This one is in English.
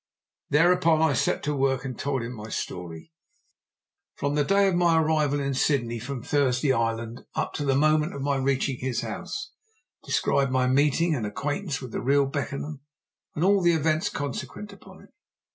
Thereupon I set to work and told him my story, from the day of my arrival in Sydney from Thursday Island up to the moment of my reaching his house, described my meeting and acquaintance with the real Beckenham, and all the events consequent upon it.